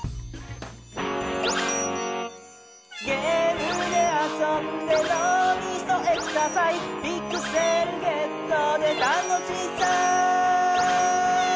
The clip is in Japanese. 「ゲームであそんでのうみそエクササイズ」「ピクセルゲットで楽しさビッグサイズ」